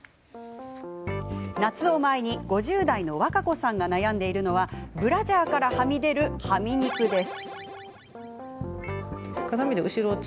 夏を前に５０代の和歌子さんが悩んでいるのはブラジャーから、はみ出るはみ肉です。